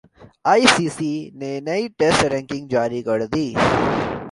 ئی C C نے نئی ٹیسٹ رینکنگ جاری کردی